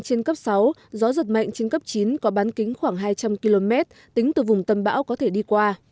trên cấp sáu gió giật mạnh trên cấp chín có bán kính khoảng hai trăm linh km tính từ vùng tâm bão có thể đi qua